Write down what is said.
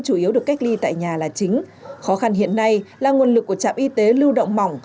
chủ yếu được cách ly tại nhà là chính khó khăn hiện nay là nguồn lực của trạm y tế lưu động mỏng